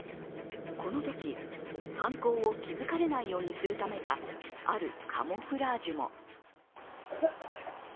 このとき、犯行を気付かれないようにするためか、あるカモフラージュも。